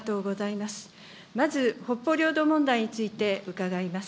まず北方領土問題について伺います。